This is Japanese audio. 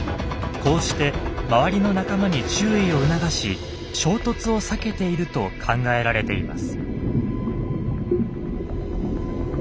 こうして周りの仲間に注意を促し衝突を避けていると考えられています。